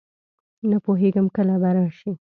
نه پوهېږم کله به راشي.